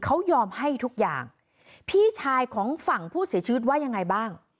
เขายอมให้ทุกอย่างพี่ชายของฝั่งผู้เสียชีวิตว่ายังไงบ้าง